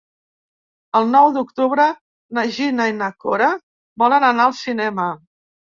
El nou d'octubre na Gina i na Cora volen anar al cinema.